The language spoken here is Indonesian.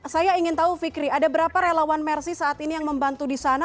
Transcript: saya ingin tahu fikri ada berapa relawan mersi saat ini yang membantu di sana